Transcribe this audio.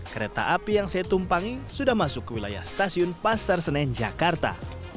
kereta api yang saya tumpangi sudah masuk ke wilayah stasiun pasar senen jakarta